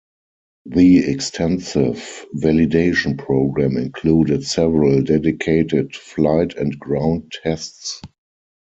The extensive validation program included several dedicated flight and ground tests.